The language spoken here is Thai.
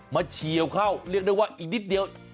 เฉียวเข้าเรียกได้ว่าอีกนิดเดียว